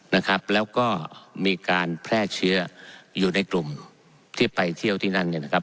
นะครับแล้วก็มีการแพร่เชื้ออยู่ในกลุ่มที่ไปเที่ยวที่นั่นเนี่ยนะครับ